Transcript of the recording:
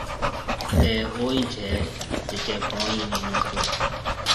اَي او جيَ هيَ جڪَي پوڻِي ڏِينو تو۔